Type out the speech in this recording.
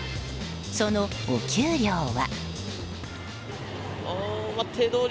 そのお給料は。